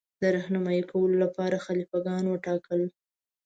د رهنمايي کولو لپاره خلیفه ګان وټاکل.